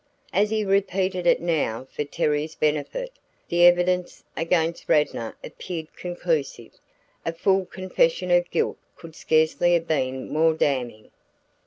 As he repeated it now for Terry's benefit, the evidence against Radnor appeared conclusive. A full confession of guilt could scarcely have been more damning.